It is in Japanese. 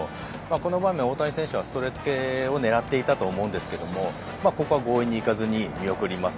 この場面、大谷選手はストレート系を狙っていたと思うんですけどここは強引にいかずに見送ります。